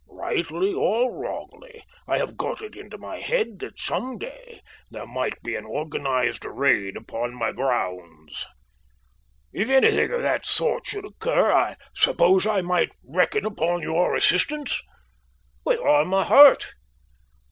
Rightly or wrongly, I have got it into my head that some day there might be an organised raid upon my grounds. If anything of the sort should occur I suppose I might reckon upon your assistance?" "With all my heart."